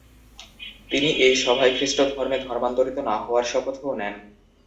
তিনি এই সভায় খ্রিস্ট ধর্মে ধর্মান্তরিত না হওয়ার শপথও নেন।